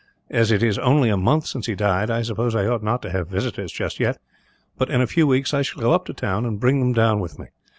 As it is only a month since he died, I suppose I ought not to have visitors, just yet; but in a few weeks I shall go up to town, and bring them down with me.